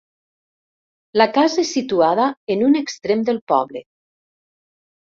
La casa és situada en un extrem del poble.